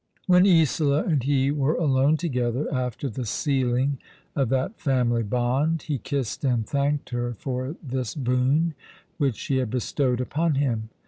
When Isola and he were alone together after the sealing of that family bond, he kissed and thanked her for this boon which she had bestowed upon him.